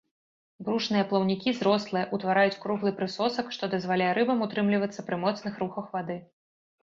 Брушныя плаўнікі зрослыя, утвараюць круглы прысосак, што дазваляе рыбам утрымлівацца пры моцных рухах вады.